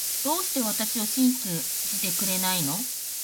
どうして私を信じてくれないの